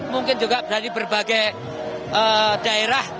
mungkin juga dari berbagai daerah